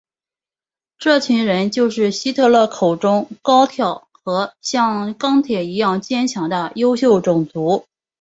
这群人就是希特勒口中高挑和像钢铁一样坚硬的优秀种族。